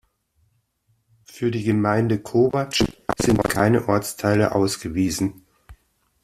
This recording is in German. Für die Gemeinde Kovač sind keine Ortsteile ausgewiesen.